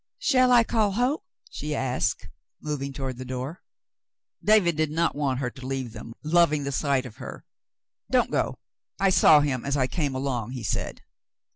"Shall I call Hoke?" she asked, moving toward the door. David did not want her to leave them, loving the sight of her. "Don't go. I saw him as I came along," he said.